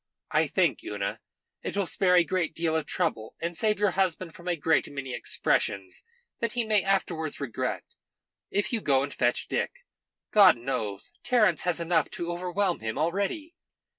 I think, Una, it will spare a deal of trouble, and save your husband from a great many expressions that he may afterwards regret, if you go and fetch Dick. God knows, Terence has enough to overwhelm him already."